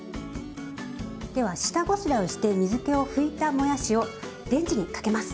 では下ごしらえをして水けを拭いたもやしをレンジにかけます。